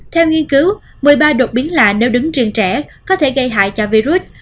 theo nghiên cứu một mươi ba đột biến là nếu đứng riêng trẻ có thể gây hại cho virus